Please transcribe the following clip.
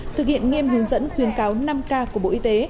thực hiện nghiêm hướng dẫn khuyến cáo năm k của bộ y tế